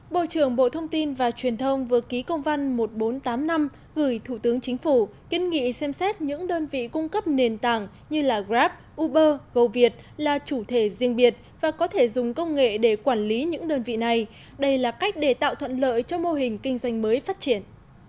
bộ trưởng bộ thông tin và truyền thông vừa ký công văn một nghìn bốn trăm tám mươi năm gửi thủ tướng chính phủ kiến nghị xem xét những đơn vị cung cấp nền tảng như grab uber goviet là chủ thể riêng biệt và có thể dùng công nghệ để quản lý những đơn vị này đây là cách để tạo thuận lợi cho mô hình kinh doanh mới phát triển